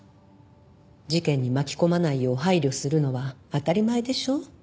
事件に巻き込まないよう配慮するのは当たり前でしょ。